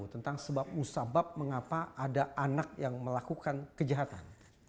tentang sebab musabab mengapa ada anak yang melakukan kejahatan